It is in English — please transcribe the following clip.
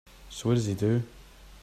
So what does he do?